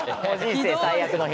「人生最悪の日」